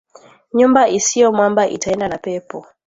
Nyumba isio mwamba itaenda na pepo